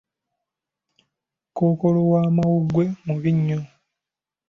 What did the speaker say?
Kookolo w'amawuggwe mubi nnyo.